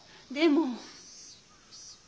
でも。